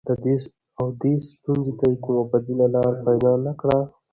او دې ستونزې ته يې کومه بديله لاره پيدا نه کړه.